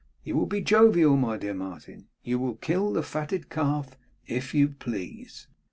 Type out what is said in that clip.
You will be jovial, my dear Martin, and will kill the fatted calf if you please!